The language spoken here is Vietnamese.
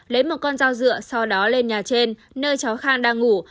lấy một con dao dựa sau đó lên nhà trên nơi cháu khang đang ngủ